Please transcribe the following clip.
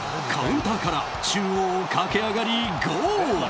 カウンターから中央を駆け上がりゴール！